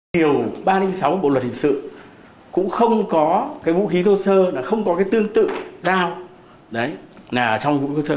điều ba trăm linh sáu bộ luật hình sự cũng không có vũ khí thô sơ không có tương tự dao trong vũ khí thô sơ